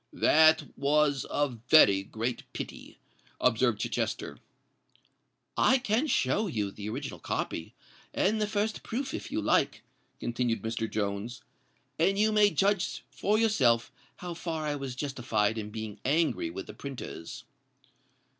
"That was a very great pity," observed Chichester. "I can show you the original copy and the first proof, if you like," continued Mr. Jones; "and you may then judge for yourself how far I was justified in being angry with the printers."